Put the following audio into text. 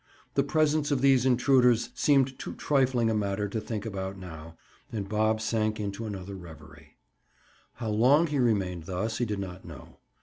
The presence of these intruders seemed too trifling a matter to think about now, and Bob sank into another reverie. How long he remained thus, he did not know.